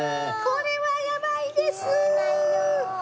これはやばいです！